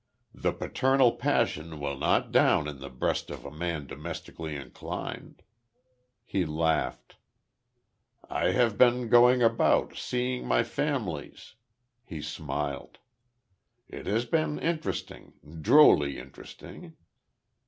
The paternal passion will not down in the breast of a man domestically inclined." He laughed. "I have been going about, seeing my families," he smiled. "It has been interesting drolly interesting.